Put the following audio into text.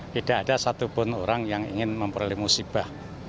tidak ada satupun orang yang ingin memperoleh musibah